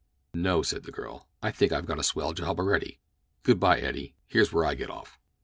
"No," said the girl, "I think I've got a swell job already. Good by, Eddie; here's where I get off."